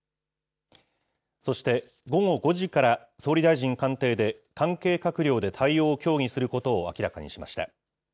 そして、午後５時から、総理大臣官邸で関係閣僚で対応を協議することを明らかにしました。